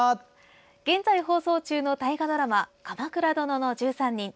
現在放送中の大河ドラマ「鎌倉殿の１３人」。